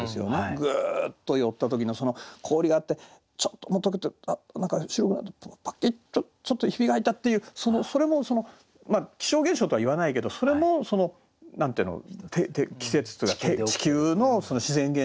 ぐっと寄った時のその氷があってちょっともう解けてるあっ何か白くなってパキッちょっとひびが入ったっていうそのそれも気象現象とはいわないけどそれもその何て言うの季節というか地球の自然現象なんで。